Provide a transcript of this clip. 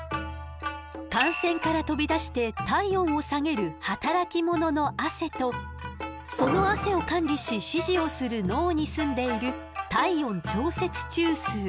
汗腺から飛び出して体温を下げる働き者のアセとそのアセを管理し指示をする脳に住んでいる体温調節中枢。